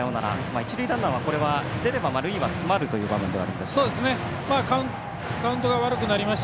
一塁ランナーは出れば塁は詰まるという場面ではあります。